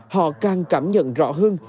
họ càng cảm nhận rõ hơn